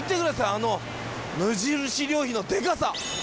あの無印良品のでかさ。